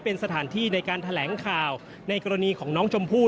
เป็นสถานที่ในการแถลงข่าวในกรณีของน้องชมพู่